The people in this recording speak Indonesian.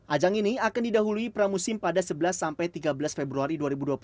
ajang ini akan didahului pramusim pada sebelas tiga belas februari dua ribu dua puluh tiga